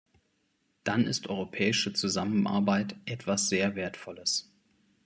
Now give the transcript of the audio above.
Dann ist europäische Zusammenarbeit etwas sehr Wertvolles.